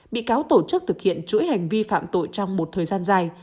bị cáo tổ chức thực hiện chuỗi hành vi phạm tội trong một thời gian dài